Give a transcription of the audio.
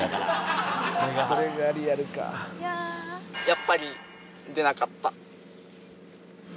やっぱり出なかった。